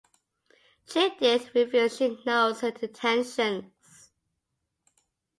Judith reveals she knows her intentions.